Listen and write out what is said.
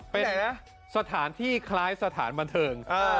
เป็นสถานที่คล้ายสถานบันเทิง